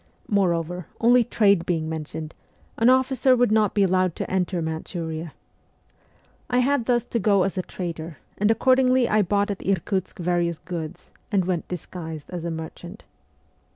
Moreover, only trade being mentioned, an officer would not be allowed to enter Manchuria. I had thus to go as a trader, and accordingly I bought at Irkutsk various goods, and went disguised as a merchant.